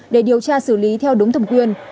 để điều tra xử lý theo đúng thẩm quyền